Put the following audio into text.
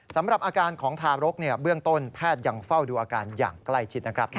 สำหรับอาการของทารกเบื้องต้นแพทย์ยังเฝ้าดูอาการอย่างใกล้ชิดนะครับ